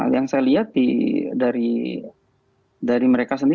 yang saya lihat dari mereka sendiri